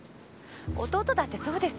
弟だってそうです。